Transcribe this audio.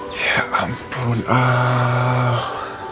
ya ampun al